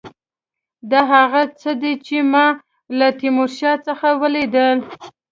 دا هغه څه دي چې ما له تیمورشاه څخه ولیدل.